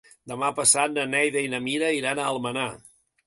Demà passat na Neida i na Mira iran a Almenar.